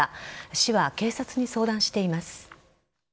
市は、警察に相談しています。